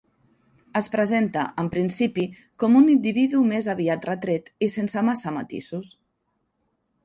Es presenta, en principi, com un individu més aviat retret i sense massa matisos.